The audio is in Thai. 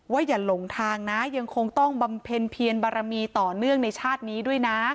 อย่าหลงทางนะยังคงต้องบำเพ็ญเพียรบารมีต่อเนื่องในชาตินี้ด้วยนะ